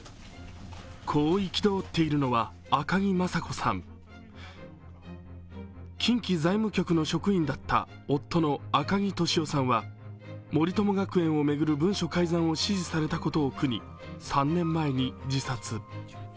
近畿財務局の職員だった夫の赤木俊夫さんは森友学園を巡る文書改ざんを指示されたことを苦に３年前に自殺。